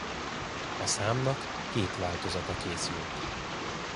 A számnak két változata készült.